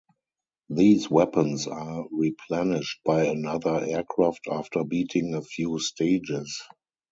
These weapons are replenished by another aircraft after beating a few stages.